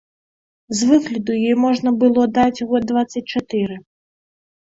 З выгляду ёй можна было даць год дваццаць чатыры.